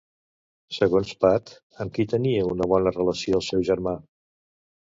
Segons Pat, amb qui tenia una bona relació el seu germà?